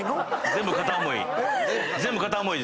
全部片思いです。